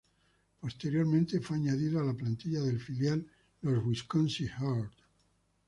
Posteriormente fue añadido a la plantilla del filial, los Wisconsin Herd.